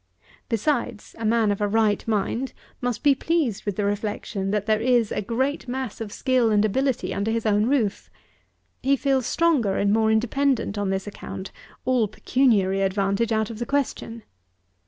Besides, a man of a right mind must be pleased with the reflection, that there is a great mass of skill and ability under his own roof. He feels stronger and more independent on this account, all pecuniary advantage out of the question.